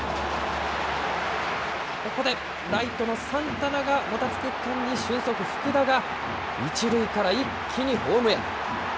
ここでライトのサンタナがもたつく間に俊足、福田が、１塁から一気にホームへ。